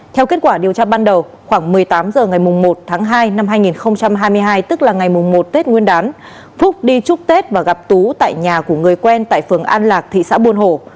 theo kết quả điều tra ban đầu khoảng một mươi tám h ngày một tháng hai năm hai nghìn hai mươi hai tức là ngày một tết nguyên đán phúc đi chúc tết và gặp tú tại nhà của người quen tại phường an lạc thị xã buôn hồ